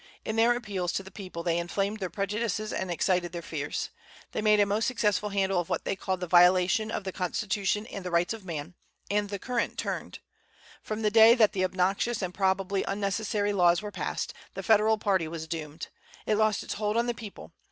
In their appeals to the people they inflamed their prejudices and excited their fears. They made a most successful handle of what they called the violation of the Constitution and the rights of man; and the current turned. From the day that the obnoxious and probably unnecessary laws were passed, the Federal party was doomed. It lost its hold on the people.